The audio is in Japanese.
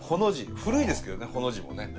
古いですけどねほの字もね。